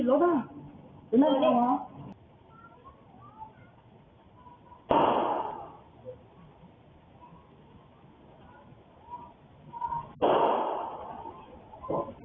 กูไม่ได้โดนคอมันตัวนี้